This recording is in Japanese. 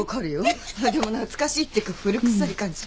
でも懐かしいっていうか古臭い感じ。